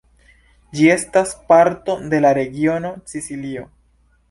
Ĝi estas parto de la regiono Sicilio.